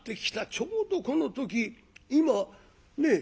ちょうどこの時今ねえ